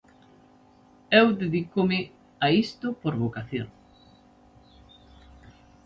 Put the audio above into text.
Eu dedícome a isto por vocación.